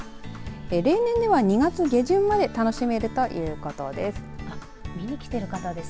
例年では２月下旬まで楽しめるということです。